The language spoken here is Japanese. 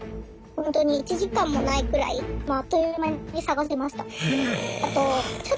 ほんとに１時間もないくらいあっという間に探せました。